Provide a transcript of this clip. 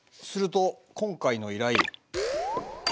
すると今回の依頼。